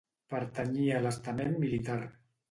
Pertanyia a l'estament militar.